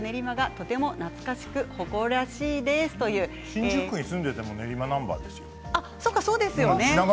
新宿区に住んでいても練馬ナンバーですよ。